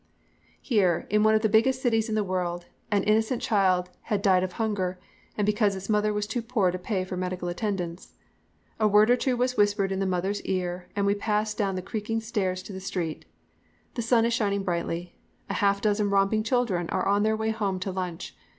"Here, in one of the biggest cities in the world, an innocent child had died of hunger, and because its mother was too poor to pay for medical attendance. "A word or two was whispered in the mother's ear and we pass down the creaking stairs to the street. The sun is shining brightly. A half dozen romping children are on their way home to lunch.